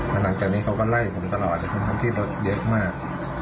หลังจากนี้เขาก็ไล่ผมตลอดนะครับที่รถเยอะมาก